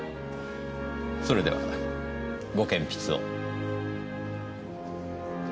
それではご健筆を。